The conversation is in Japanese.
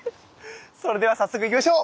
それでは早速行きましょう。